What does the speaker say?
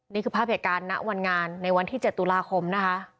นี่คือภาพเหตุการณ์ณวันงานในวันที่๗ตุลาคมนะคะ